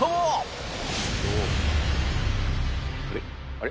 あれ？